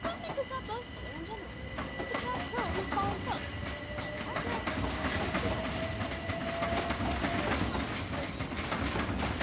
Dominick was not boastful or ungenerous. He did not crow over his fallen foe. On the contrary, he offered to assist that smitten scorner to rise, but Malines preferred in the meantime to lie still.